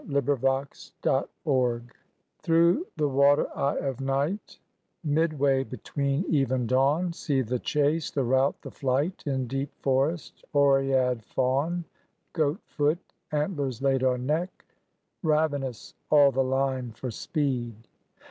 WITH THE HUNTRESS THROUGH the water eye of night, Midway between eve and dawn, See the chase, the rout, the flight In deep forest; oread, faun, Goat foot, antlers laid on neck; Ravenous all the line for speed.